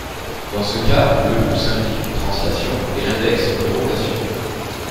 Dans ce cas, le pouce indique une translation et l'index une rotation.